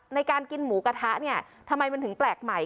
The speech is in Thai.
ในการกินหมูกระทะเนี่ยทำไมมันถึงแปลกใหม่